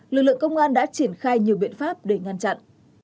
lực lượng công an đã triển khai nhiều biện pháp để ngăn chặn